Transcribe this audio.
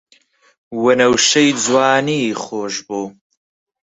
وەنەوشەی جوانی خۆشبۆ